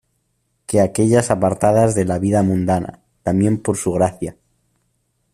que aquellas apartadas de la vida mundana, también por su Gracia...